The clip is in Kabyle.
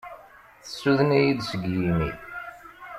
Tessuden-iyi-d seg yimi.